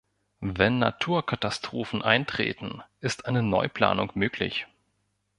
Wenn Naturkatastrophen eintreten, ist eine Neuplanung möglich.